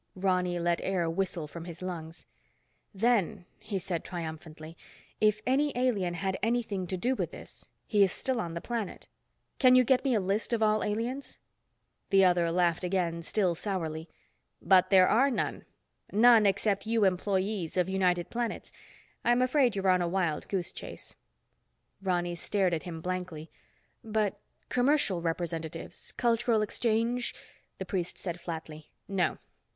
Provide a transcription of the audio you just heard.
Ronny let air whistle from his lungs. "Then," he said triumphantly, "if any alien had anything to do with this, he is still on the planet. Can you get me a list of all aliens?" The other laughed again, still sourly. "But there are none. None except you employees of United Planets. I'm afraid you're on a wild goose chase." Ronny stared at him blankly. "But commercial representatives, cultural exchange—" The priest said flatly, "No.